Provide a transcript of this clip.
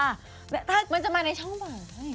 มันจะมาในช่องปากได้เหรอพี่